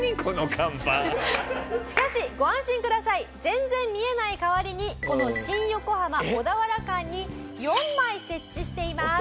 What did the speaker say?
しかしご安心ください。全然見えない代わりにこの新横浜小田原間に４枚設置しています。